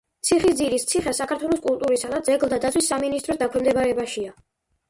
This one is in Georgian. ციხისძირის ციხე საქართველოს კულტურისა და ძეგლთა დაცვის სამინისტროს დაქვემდებარებაშია.